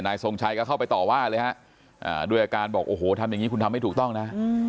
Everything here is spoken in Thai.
ทรงชัยก็เข้าไปต่อว่าเลยฮะด้วยอาการบอกโอ้โหทำอย่างนี้คุณทำไม่ถูกต้องนะ